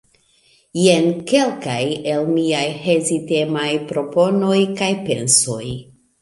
Jen kelkaj el miaj hezitemaj proponoj kaj pensoj.